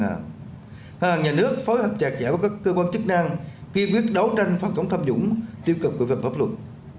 ngân hàng nhà nước phối hợp chặt chẽ với các cơ quan chức năng kỳ quyết đấu tranh phát trống tham dũng tiêu cực của vi phạm pháp luật